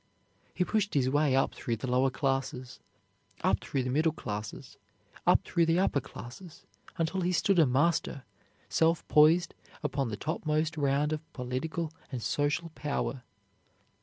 He pushed his way up through the lower classes, up through the middle classes, up through the upper classes, until he stood a master, self poised upon the topmost round of political and social power.